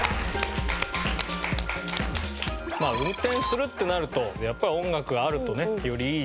まあ運転するってなるとやっぱり音楽があるとねよりいいんじゃないかと。